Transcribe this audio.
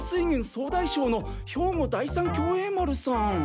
総大将の兵庫第三協栄丸さん。